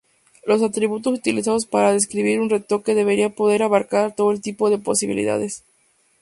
Los atributos utilizados para describir un retoque deberían poder abarcar todo tipo de posibilidades.